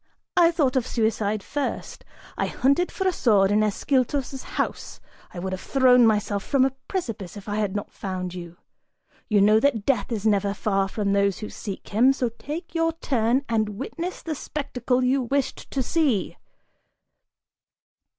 I thought of suicide first. I hunted for a sword in Ascyltos' house: I would have thrown myself from a precipice if I had not found you! You know that Death is never far from those who seek him, so take your turn and witness the spectacle you wished to see!"